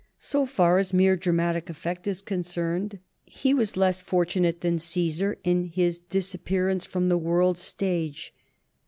So far as mere dramatic effect is concerned, he was less fortunate than Caesar in his disappearance from the world's stage.